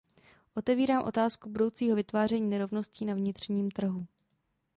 Otevírám otázku budoucího vytváření nerovností na vnitřním trhu.